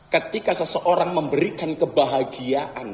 ketika seseorang memberikan kebahagiaan